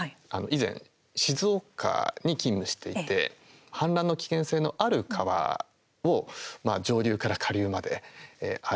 以前、静岡に勤務していて氾濫の危険性のある川を上流から下流まで歩いてですね